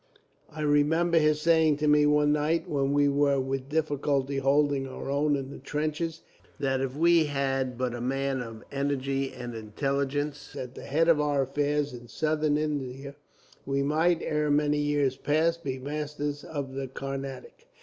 I remember his saying to me one night, when we were, with difficulty, holding our own in the trenches, that if we had but a man of energy and intelligence at the head of our affairs in Southern India, we might, ere many years passed, be masters of the Carnatic.